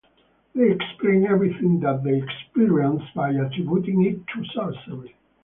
They explain everything that they experience by attributing it to sorcery.